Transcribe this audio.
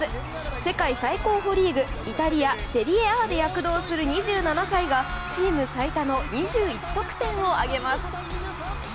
世界最高峰リーグ、イタリアセリエＡで躍動する２７歳がチーム最多の２１得点を挙げます。